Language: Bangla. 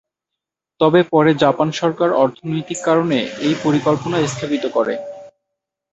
তবে পরে জাপান সরকার অর্থনৈতিক কারণে এই পরিকল্পনা স্থগিত করে।